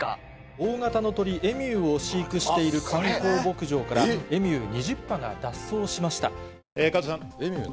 大型の鳥エミューを飼育している観光牧場からエミュー２０羽が脱走しました。